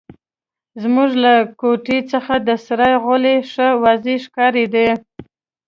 زموږ له کوټې څخه د سرای غولی ښه واضح ښکارېده.